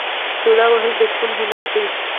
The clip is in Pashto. تولې وهل د شپون هنر دی.